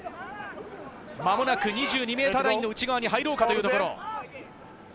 間もなく２２ｍラインの内側に入ろうかというところ。